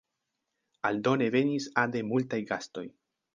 Aldone venis ade multaj gastoj.